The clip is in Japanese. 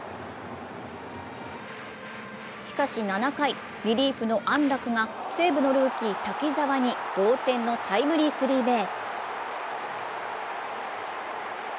しかし７回、リリーフの安樂が西武のルーキー・滝澤に同点のタイムリースリーベース。